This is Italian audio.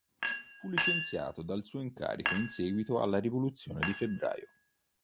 Fu licenziato dal suo incarico in seguito alla rivoluzione di febbraio.